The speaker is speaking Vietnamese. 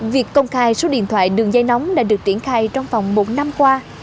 việc công khai số điện thoại đường dây nóng đã được triển khai trong vòng một năm qua